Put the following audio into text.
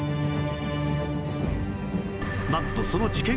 なんとその事件